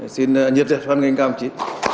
xin nhiệt dạy phát ngành cám chí